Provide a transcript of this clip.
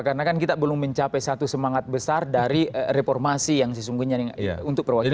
karena kan kita belum mencapai satu semangat besar dari reformasi yang sesungguhnya untuk perwakilan dpr